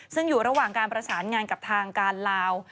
ซึ่งอยู่ระหว่างการประสานงานกับทางการลาว